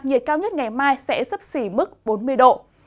nhiệt cao nhất ngày mai sẽ sắp xỉ mức bốn mươi độ